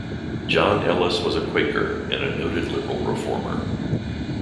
John Ellis was a Quaker and a noted liberal reformer.